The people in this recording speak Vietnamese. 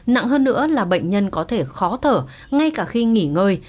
nặng hơn nữa là bệnh nhân có thể khó thở ngay cả khi nghỉ ngơi